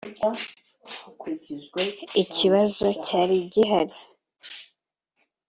Ikibazo cyari gihari